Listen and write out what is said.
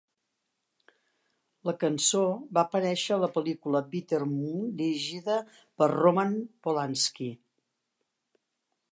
La cançó va aparèixer a la pel·lícula "Bitter Moon", dirigida per Roman Polanski.